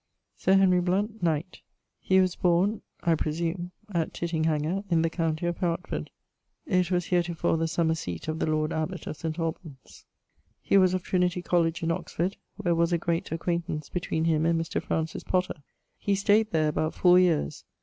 Sir Henry Blount[AS], knight: he was borne (I presume) at Tittinghanger in the countie of Hertford. It was heretofore the summer seate of the Lord Abbot of St. Alban's. He was of Trinity College in Oxford, where was a great acquaintance between him and Mr. Francis Potter. He stayed there about yeares.